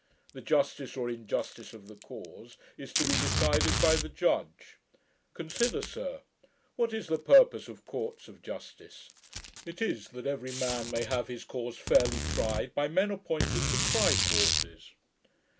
The justice or injustice of the cause is to be decided by the judge. Consider, sir; what is the purpose of courts of justice? It is, that every man may have his cause fairly tried, by men appointed to try causes.